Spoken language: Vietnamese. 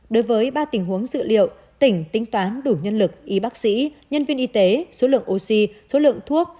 đối với ba tình huống dự liệu tỉnh tính toán đủ nhân lực y bác sĩ nhân viên y tế số lượng oxy số lượng thuốc